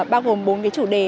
bao gồm bốn cái chủ đề